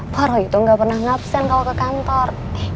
pak roy tuh gak pernah ngapsen kalau ke kantor